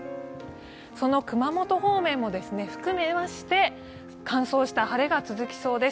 その熊本方面も含めまして乾燥した晴れが続きそうです。